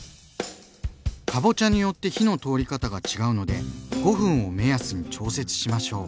かぼちゃによって火の通り方が違うので５分を目安に調節しましょう。